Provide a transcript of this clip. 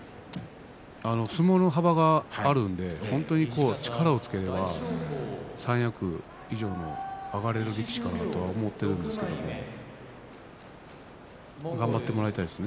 相撲の幅があるので力をつけると三役以上に上がれる力士かなと思っているんですが頑張ってもらいたいですね。